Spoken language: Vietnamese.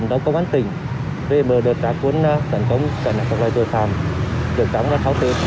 đợt trả cuốn sản phẩm sản hạc sản loại tội phạm được đóng vào tháng tết